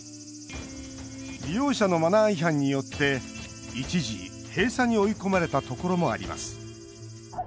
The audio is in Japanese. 利用者のマナー違反によって一時閉鎖に追い込まれたところもあります。